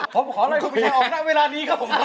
คนขาตคงไป